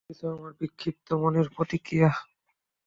সবকিছুই আমার বিক্ষিপ্ত মনের প্রতিক্রিয়া!